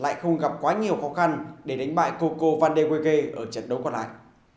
lại không gặp quá nhiều khó khăn để đánh bại coco vandewege ở trận đấu còn lại